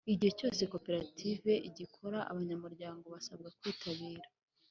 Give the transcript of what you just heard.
igihe cyose koperative igikora abanyamuryango basabwa kwitabira